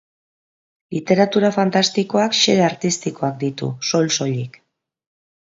Literatura fantastikoak xede artistikoak ditu, soil-soilik.